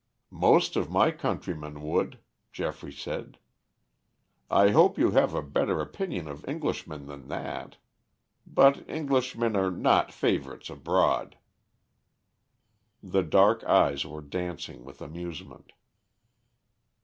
"Most of my countrymen would," Geoffrey said. "I hope you have a better opinion of Englishmen than that. But Englishmen are not favorites abroad." The dark eyes were dancing with amusement.